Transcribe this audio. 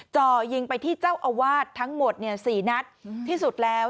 จ่อยิงไปที่เจ้าอาวาสทั้งหมดเนี่ย๔นัดที่สุดแล้ว